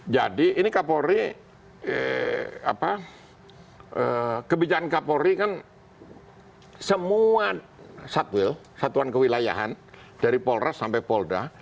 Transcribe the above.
jadi ini kapolri kebijakan kapolri kan semua satwil satuan kewilayahan dari polres sampai polda